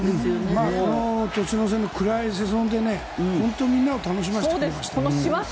この年の瀬の暗い世相で本当にみんなを楽しませてくれました。